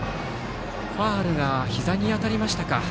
ファウルがひざに当たりましたか。